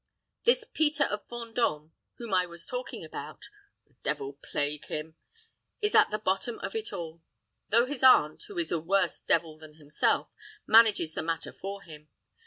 This Peter of Vendôme, whom I was talking about the devil plague him! is at the bottom of it all; though his aunt, who is a worse devil than himself, manages the matter for him.